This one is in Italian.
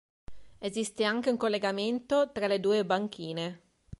Esiste anche un collegamento tra le due banchine.